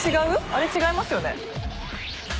あれ違いますよね。